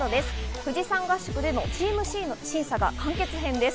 富士山合宿でのチームＣの審査が完結編です。